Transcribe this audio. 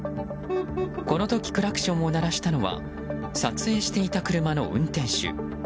この時クラクションを鳴らしたのは撮影していた車の運転手。